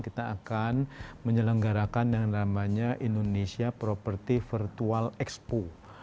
kita akan menyelenggarakan yang namanya indonesia property virtual expo